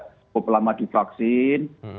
yang sudah cukup lama divaksin